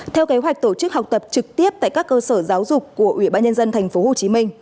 theo kế hoạch tổ chức học tập trực tiếp tại các cơ sở giáo dục của ubnd tp hcm